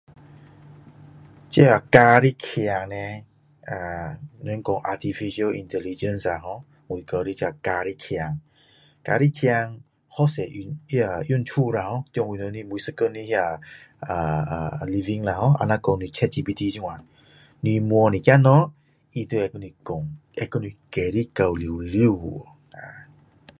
这假的强叻人家说 artificial intellignece 我叫这个假的强假的强很多用处在我们每一天的 living 像 chat GPT 这样你问一点东西他都会跟你讲跟你解释到完